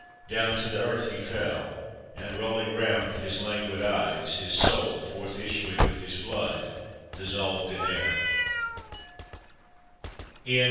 Down to the earth he fell And rolling round his languid eyes, hi. .oul' Forth issuing with his blood, dissolved In air No.